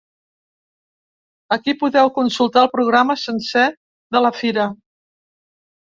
Aquí podeu consultar el programa sencer de la fira.